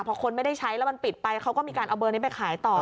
พอคนไม่ได้ใช้แล้วมันปิดไปเขาก็มีการเอาเบอร์นี้ไปขายต่อ